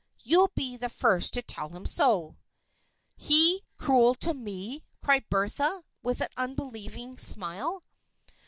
You'll be the first to tell him so." "He, cruel to me?" cried Bertha, with an unbelieving smile.